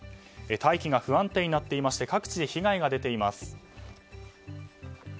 大気が不安定になっていまして各地で被害が出ています。